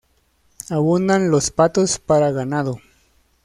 Abundan los patos para ganado.